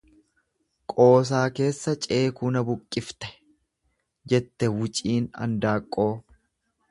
Qoosaa keessa ceekuu na buqqifte jette wuciin andaaqqoo.